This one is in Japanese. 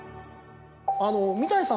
三谷さん